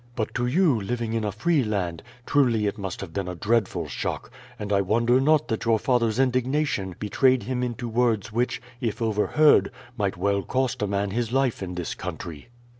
But to you, living in a free land, truly it must have been a dreadful shock; and I wonder not that your father's indignation betrayed him into words which, if overheard, might well cost a man his life in this country."